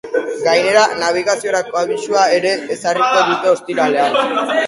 Gainera, nabigaziorako abisua ere ezarriko dute ostiralean.